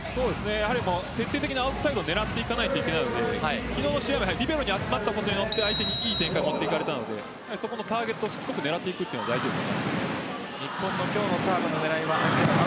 徹底的にアウトサイドを狙っていかないといけないので昨日の試合はリベロに集まったところを相手にたたかれたのでそこのターゲットをしつこく狙っていきたいです。